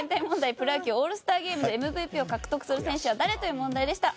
プロ野球オールスターゲームでＭＶＰを獲得するのは誰？という問題でした。